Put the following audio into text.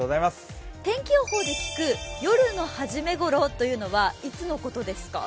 天気予報で聞く、夜のはじめ頃というのは、いつのことですか？